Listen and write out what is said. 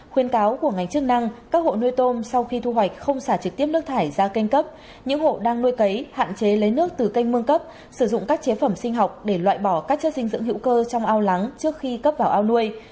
khuyên cáo của ngành chức năng các hộ nuôi tôm sau khi thu hoạch không xả trực tiếp nước thải ra kênh cấp những hộ đang nuôi cấy hạn chế lấy nước từ canh mương cấp sử dụng các chế phẩm sinh học để loại bỏ các chất dinh dưỡng hữu cơ trong ao lắng trước khi cấp vào ao nuôi